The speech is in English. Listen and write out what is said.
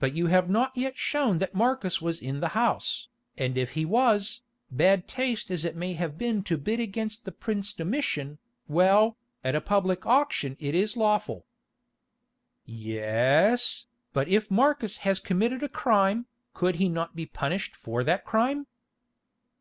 But you have not yet shown that Marcus was in the house, and if he was, bad taste as it may have been to bid against the prince Domitian, well, at a public auction it is lawful." "Ye—es, but if Marcus has committed a crime, could he not be punished for that crime?"